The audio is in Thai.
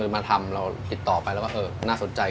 มาทำเราติดต่อไปแล้วก็เออน่าสนใจ